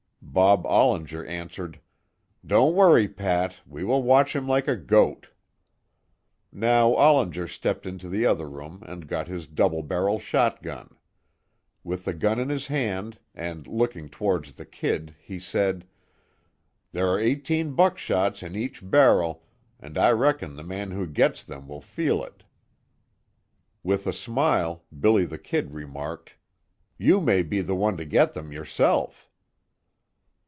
Bob Ollinger answered: "Don't worry, Pat, we will watch him like a goat." Now Ollinger stepped into the other room and got his double barrel shot gun. With the gun in his hand, and looking towards the "Kid," he said: "There are eighteen buckshot in each barrel, and I reckon the man who gets them will feel it." With a smile, "Billy the Kid" remarked: "You may be the one to get them yourself."